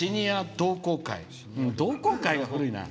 同好会は古いな。